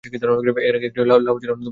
এর আগে এটি লাহোর জেলার অন্যতম একটি অংশ ছিল।